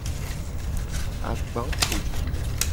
Agbapotu.